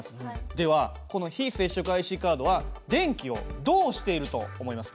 ではこの非接触ＩＣカードは電気をどうしていると思いますか？